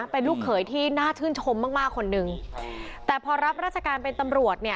เป็นลูกเขยที่น่าชื่นชมมากมากคนหนึ่งแต่พอรับราชการเป็นตำรวจเนี่ย